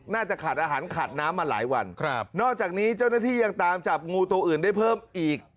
น่าจะขาดอาหารขาดน้ำมาหลายวันครับนอกจากนี้เจ้าหน้าที่ยังตามจับงูตัวอื่นได้เพิ่มอีก